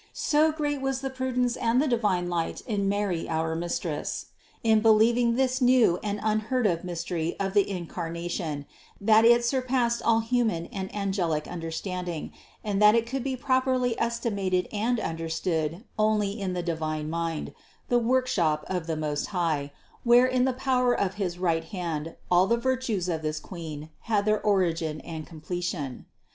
So great was the prudence and the divine light in Mary our Mistress, in believing this new and unheard of mystery of the In carnation, that it surpassed all human and angelic under standing, and that it could be properly estimated and understood only in the divine Mind, the workshop of the Most High, where in the power of his right hand all the virtues of this Queen had their origin and completion.